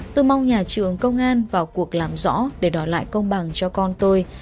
tôi mong nhà trường công an vào cuộc làm rõ để đòi lại công bằng cho con tôi